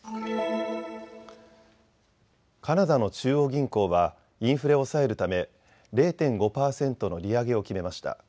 カナダの中央銀行はインフレを抑えるため０．５％の利上げを決めました。